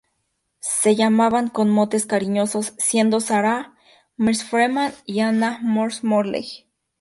Se llamaban con motes cariñosos, siendo Sarah "Mrs Freeman" y Ana "Mrs Morley".